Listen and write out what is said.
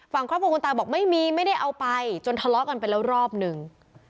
ฝั่งครอบครัวคุณตาบอกไม่มีไม่ได้เอาไปจนทะเลาะกันไปแล้วรอบหนึ่ง